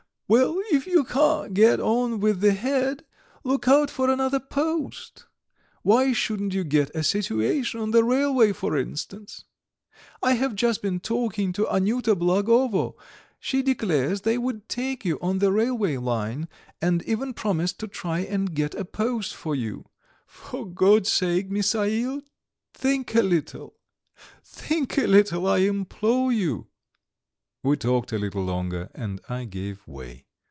Well, if you can't get on with the Head, look out for another post. Why shouldn't you get a situation on the railway, for instance? I have just been talking to Anyuta Blagovo; she declares they would take you on the railway line, and even promised to try and get a post for you. For God's sake, Misail, think a little! Think a little, I implore you." We talked a little longer and I gave way.